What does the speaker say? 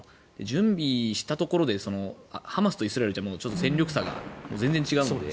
準備したところでハマスとイスラエルって戦力差が全然違うので。